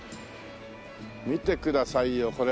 見てくださいよこれ。